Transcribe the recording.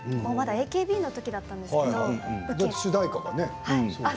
まだＡＫＢのときだったんですけど。